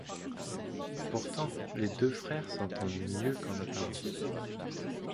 Pourtant, les deux frères s'entendent mieux qu'en apparence.